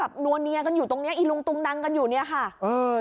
แล้วก็นรวเนี่ยอยู่อยู่นี่อีหรูตรุงดักอยู่เนี่ยค่ะ